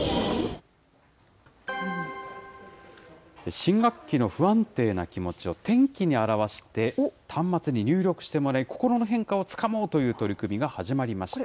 新学期の不安定な気持ちを天気に表して、端末に入力してもらい、心の変化をつかもうという取り組みが始まりました。